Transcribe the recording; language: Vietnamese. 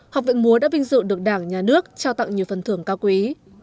học viện múa đã vinh dự được đảng nhà nước trao tặng nhiều phần thưởng cao quý